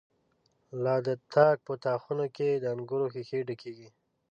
لا د تاک په تا خانو کی، دانګور ښيښی ډکيږی